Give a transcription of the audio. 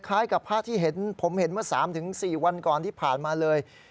คล้ายกับพระที่ผมเห็นเมื่อ๓๔วันก่อนที่ผ่านมาเลย